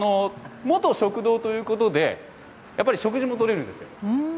元食堂ということで、やっぱり食事もとれるんですよ。